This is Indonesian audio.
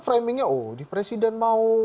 framingnya oh di presiden mau